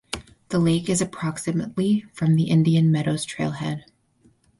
The lake is approximately from the Indian Meadows Trailhead.